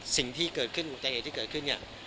สิ่งที่เกิดขึ้นอุบัติเหตุที่เกิดขึ้นเนี่ย